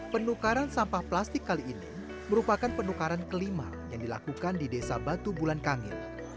penukaran sampah plastik kali ini merupakan penukaran kelima yang dilakukan di desa batu bulan kangit